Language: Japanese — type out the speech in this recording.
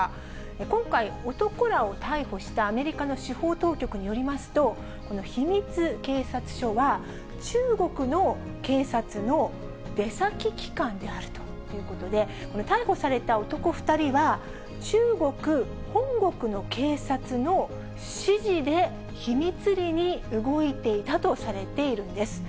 今回、男らを逮捕したアメリカの司法当局によりますと、この秘密警察署は、中国の警察の出先機関であるということで、これ、逮捕された男２人は、中国本国の警察の指示で、秘密裏に動いていたとされているんです。